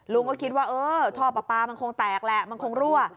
ลุงก็คิดว่าเออท่อปลาปลามันคงแตกแหละมันคงรั่ว